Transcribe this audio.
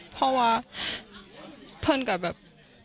เพราะว่าเพื่อนก็แบบ